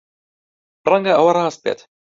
ڕەنگە ئەوە ڕاست بێت.